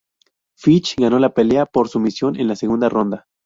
Fitch ganó la pelea por sumisión en la segunda ronda.